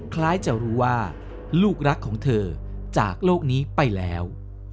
คล้ายจะรู้ว่าลูกรักของเธอจากโลกนี้ไปแล้ว